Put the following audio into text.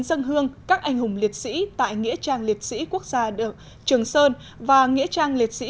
dân hương các anh hùng liệt sĩ tại nghĩa trang liệt sĩ quốc gia trường sơn và nghĩa trang liệt sĩ